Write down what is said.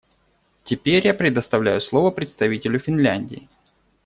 Теперь я предоставляю слово представителю Финляндии.